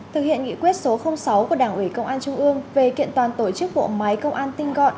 thực hiện nghị quyết số sáu của đảng ủy công an trung ương về kiện toàn tổ chức bộ máy công an tinh gọn